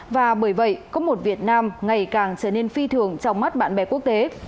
và bởi vậy có một việt nam ngày càng trở nên phi thường trong mắt bạn bè quốc tế